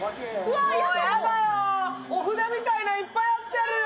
御札みたいのいっぱい貼ってあるよ。